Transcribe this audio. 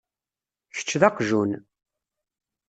Kečč d aqjun.